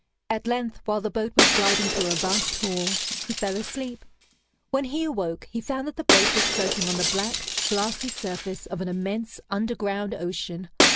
At length, while the boat was gliding through a vast hall, he fell asleep. When he awoke, he found that the boat was floating on the black, glassy surface of an immense underground ocean.